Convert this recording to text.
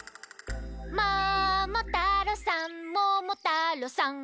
「ももたろうさんももたろうさん」